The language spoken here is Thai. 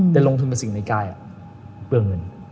แต่ลงทุนเป็นสิ่งในกายเปลืองเงิน